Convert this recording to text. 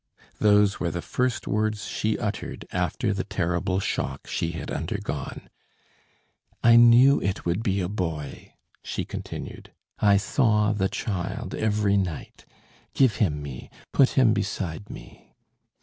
Those were the first words she uttered after the terrible shock she had undergone. "I knew it would be a boy," she continued, "I saw the child every night. Give him me, put him beside me."